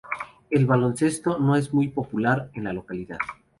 El baloncesto no es muy popular en la localidad.